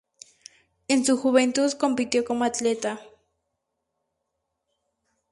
En su juventud compitió como atleta.